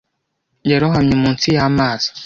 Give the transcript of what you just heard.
Yarohamye munsi y’amazi.